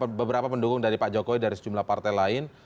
ada beberapa pendukung dari pak jokowi dari sejumlah partai lain